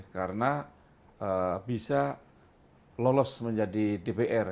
karena bisa lolos menjadi dpr